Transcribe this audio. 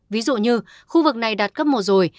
ví dụ như khu vực này đạt cấp một rồi